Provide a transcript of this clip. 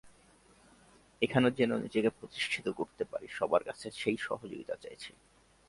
এখানে যেন নিজেকে প্রতিষ্ঠিত করতে পারি, সবার কাছে সেই সহযোগিতা চাইছি।